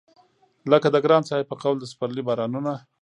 لکه د ګران صاحب په قول د سپرلي بارانونه